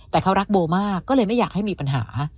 แต่เขารักโบมากก็เลยไม่อยากให้มีปัญหา